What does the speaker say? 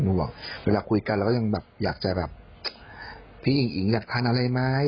บอกเวลาคุยกันเราก็ยังแบบอยากจะแบบพี่อิ๋งอิ๋งอยากทานอะไรไหม